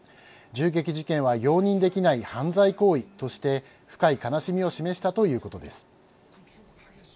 銃撃事件は容認できない犯罪行為として深い悲しみを示したということです。